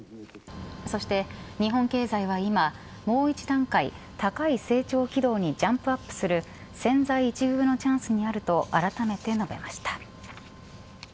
そして、日本経済は今もう一段階高い成長軌道にジャンプアップする千載一遇のチャンスにあるとあらためて述べました。